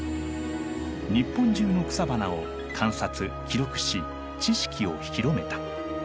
日本中の草花を観察記録し知識を広めた。